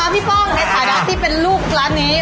พี่ป้องในถ่ายด้านที่เป็นลูกร้านนี้